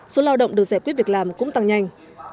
số lao động được giải quyết việc làm cũng tăng nhanh